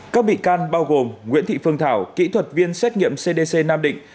các bị can bao gồm nguyễn thị phương thảo kỹ thuật viên xét nghiệm cdc nam định